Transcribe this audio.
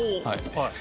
はい。